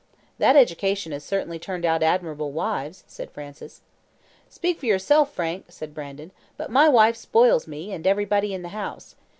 "That education has certainly turned out admirable wives," said Francis. "Speak for yourself, Frank," said Brandon; "but my wife spoils me, and everybody in the house.